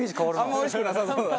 あんまおいしくなさそうだな。